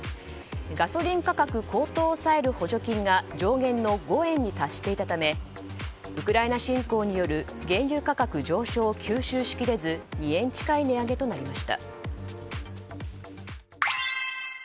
ガソリン価格高騰を抑える補助金が上限の５円に達していたためウクライナ侵攻による原油価格上昇を吸収しきれず２円近い値上げとなりました。